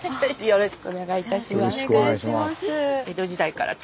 よろしくお願いします。